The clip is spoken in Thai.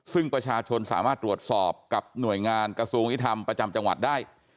ซึ่งประชาชนสามารถตรวจสอบกับหน่วยงานกระทรวงยุทธรรมประจำจังหวัดได้